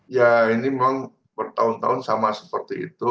ya ini memang bertahun tahun sama seperti itu